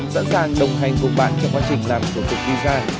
sẵn sàng đồng hành cùng bán trong quá trình làm của cục design